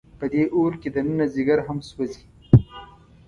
په دې اور کې دننه ځیګر هم سوځي.